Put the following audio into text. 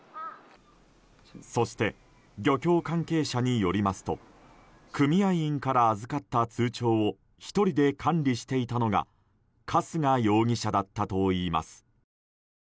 そして、漁協関係者によりますと組合員から預かった通帳を１人で管理していたのが春日容疑者だったといいます。